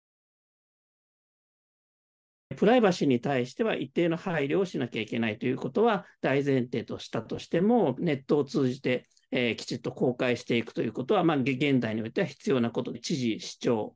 プライバシーに対しては一定の配慮をしなければならないというのは大前提としたとしてもネットを通じてきちっと公開していくということは現代においては必要なこと。